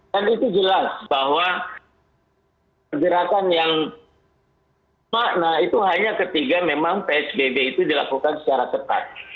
dan itu jelas bahwa pergerakan yang makna itu hanya ketiga memang psbb itu dilakukan secara tepat